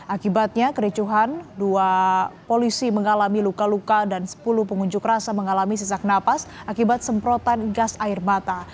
akibatnya kericuhan dua polisi mengalami luka luka dan sepuluh pengunjuk rasa mengalami sesak napas akibat semprotan gas air mata